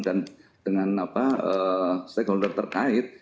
dan dengan stakeholder terkait